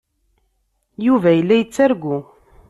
Yuba yella yettargu.